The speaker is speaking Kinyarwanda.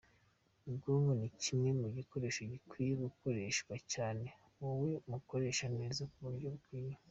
Ubwonko n’ikimwe mugikoresho gikwiye gukoreshwa cyane, wowe bukoreshe neza mu buryo bukwiye.